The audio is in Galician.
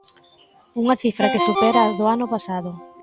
Unha cifra que supera as do ano pasado.